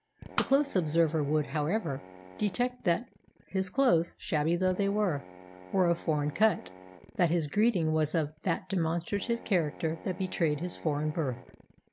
The close observer would, however, detect that his clothes, shabby though they were, were of foreign cut, and that his greeting was of that demonstrative character that betrayed his foreign birth.